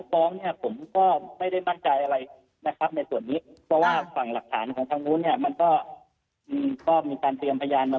เพราะว่าฝั่งหลักฐานของทางนู้นมันก็มีการเตรียมพยานมา